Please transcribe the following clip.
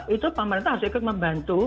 itu pemerintah harus ikut membantu